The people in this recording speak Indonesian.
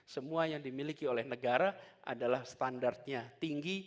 semua yang dimiliki oleh negara adalah standarnya tinggi